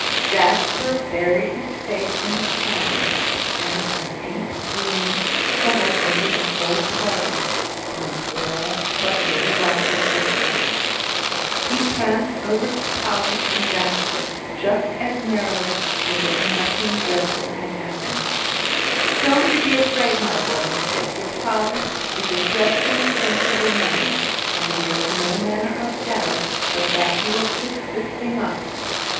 Jasper buried his face in his hands, and a deep gloom settled over the whole party, on all but little Dr. Fisher. He pranced over to Polly and Jasper just as merrily as if nothing dreadful had happened. "Don't you be afraid, my boy," he said; "your father is a dreadfully sensible man, and there's no manner of doubt but that he will fix this thing up."